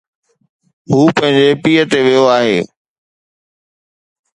هو پنهنجي پيءُ تي ويو آھي